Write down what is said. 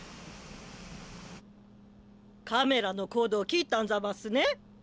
カメラのコードを切ったんざますね！